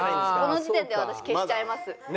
この時点で私消しちゃいます。